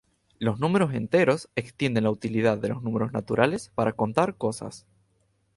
Los números enteros extienden la utilidad de los números naturales para contar cosas.